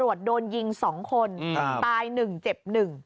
สวัสดีครับ